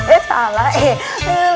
eh salah eh